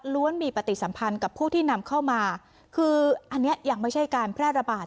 มีปฏิสัมพันธ์กับผู้ที่นำเข้ามาคืออันนี้ยังไม่ใช่การแพร่ระบาด